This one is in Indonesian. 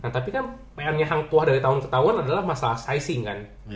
tapi kan pengennya hantuah dari tahun ke tahun adalah masalah sizing kan